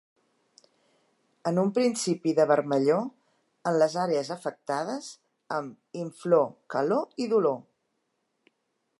En un principi de vermellor en les àrees afectades, amb inflor, calor, i dolor.